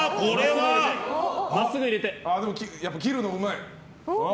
やっぱり切るのうまい。